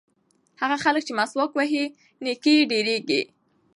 هغه خلک چې مسواک وهي نیکۍ یې ډېرېږي.